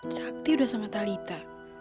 sakti udah sama talita